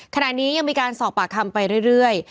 ขณะนี้ยังมีการสอบปากคำไปเรื่อย